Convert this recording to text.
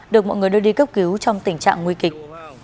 được mọi người đưa đi cấp cứu trong tình trạng nguy kịch